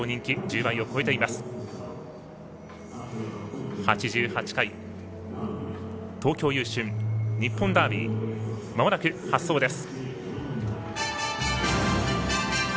第８８回東京優駿、日本ダービーまもなく発走です。